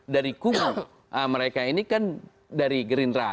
dari kubu mereka ini kan dari gerindra